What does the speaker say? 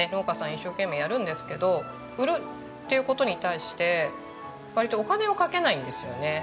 一生懸命やるんですけど「売る」っていう事に対して割とお金をかけないんですよね。